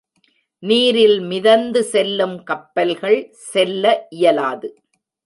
நீரில் மிதந்து செல்லும் கப்பல்கள் செல்ல இயலாது.